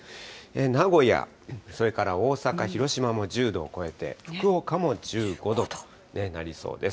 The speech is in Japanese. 名古屋、それから大阪、広島も１０度を超えて、福岡も１５度となりそうです。